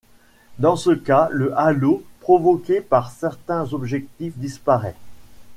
Dans ce cas, le halo provoqué par certains objectifs disparaît.